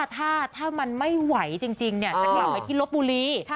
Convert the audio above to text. ถ้ามันไม่ไหวจริงจะกลับไปที่ลบบุรี